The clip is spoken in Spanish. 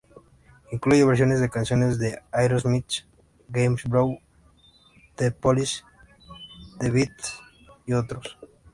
Incluye versiones de canciones de Aerosmith, James Brown, The Police, The Beatles y otros.